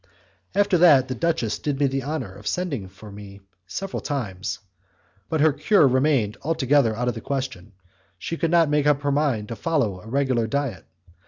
After that, the duchess did me the honour of sending for me several times; but her cure remained altogether out of the question; she could not make up her mind to follow a regular diet.